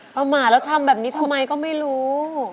เพราะเปื่องอาจรูป